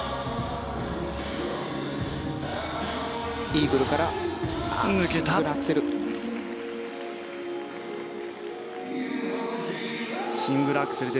イーグルからシングルアクセル。